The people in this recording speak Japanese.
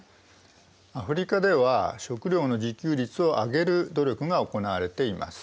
アフリカでは食料の自給率を上げる努力が行われています。